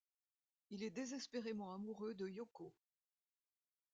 Il est désespérément amoureux de Yoko.